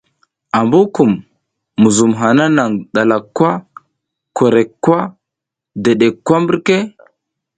Ambukum, muzum hana nang ɗalak kwa, korek kwa dedek kwa mbirka ?